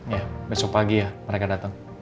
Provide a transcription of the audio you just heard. ya besok pagi ya mereka datang